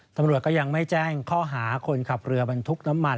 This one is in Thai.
ตำรวจก็ยังไม่แจ้งข้อหาคนขับเรือบรรทุกน้ำมัน